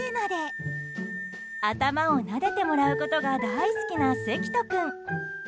頭をなでてもらうことが大好きなせきと君。